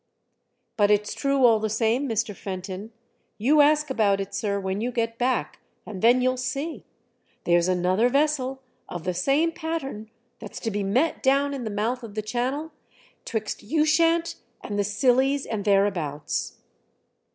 " But it's true all the same, Mr. Fenton ; you ask about it, sir, when you get back, and then you'll see. There's another vessel, of the same pattern, that's to be met down in the mouth of the Channel, 'twixt Ushant and the Scillies, and thereabouts.